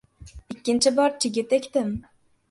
Ikkinchi bor chigit ekdim.